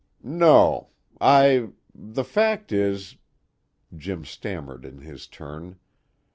"No. I The fact is " Jim stammered in his turn.